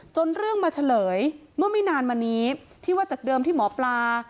เรื่องมาเฉลยเมื่อไม่นานมานี้ที่ว่าจากเดิมที่หมอปลา